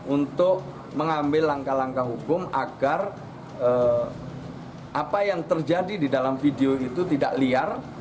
untuk mengambil langkah langkah hukum agar apa yang terjadi di dalam video itu tidak liar